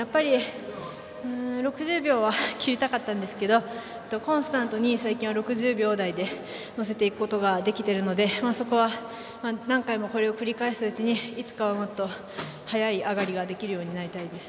６０秒は切りたかったんですけどコンスタントに最近は６０秒台で乗せていくことができているのでそこは何回もこれを繰り返すうちにいつかもっと速い上がりができるようになりたいです。